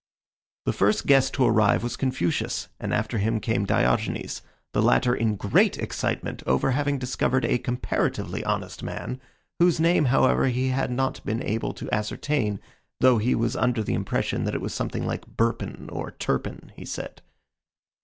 The first guest to arrive was Confucius, and after him came Diogenes, the latter in great excitement over having discovered a comparatively honest man, whose name, however, he had not been able to ascertain, though he was under the impression that it was something like Burpin, or Turpin, he said.